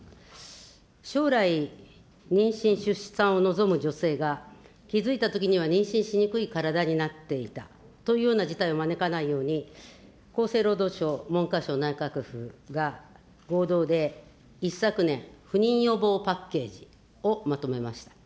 将来、妊娠、出産を望む女性が、気付いたときには妊娠しにくい体になっていたというような事態を招かないように、厚生労働省、文科省、内閣府が合同で一昨年、不妊予防パッケージをまとめました。